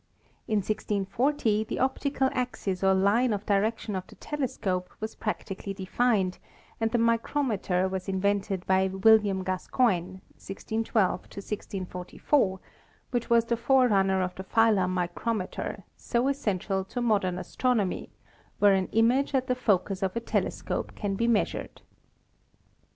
In 1640 the optical axis or line of 22 ASTRONOMY direction of the telescope was practically defined, and the micrometer was invented by William Gascoigne (1612 1644), which was the forerunner of the filar micrometer, so essential to modern astronomy, where an image at the focus of a telescope can be measured.